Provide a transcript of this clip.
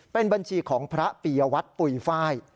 เป็นบัญชีของพระปียวัตรปุ๋ยไฟล์